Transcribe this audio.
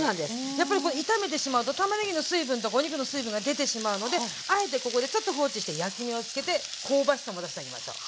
やっぱり炒めてしまうとたまねぎの水分とお肉の水分が出てしまうのであえてここでちょっと放置して焼き目をつけて香ばしさも出してあげましょう。